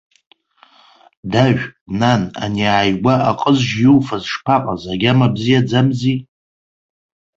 Дажә, нан, ани ааигәа аҟызжьы иуфаз шԥаҟаз, агьама бзиаӡамзи.